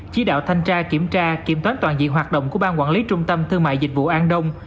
chí đạo thanh tra kiểm tra kiểm toán toàn dị hoạt động của ban quản lý trung tâm thương mại dịch vụ an đông